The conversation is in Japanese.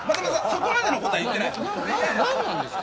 そこまでのことは言ってない何なんですか